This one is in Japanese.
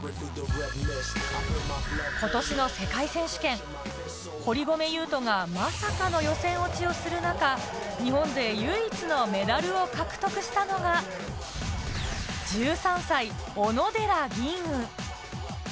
今年の世界選手権、堀米雄斗がまさかの予選落ちをする中、日本勢唯一のメダルを獲得したのが１３歳、小野寺吟雲。